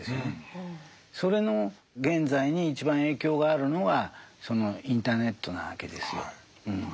それの現在に一番影響があるのはインターネットなわけですよ。